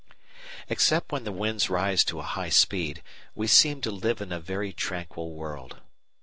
] Except when the winds rise to a high speed, we seem to live in a very tranquil world.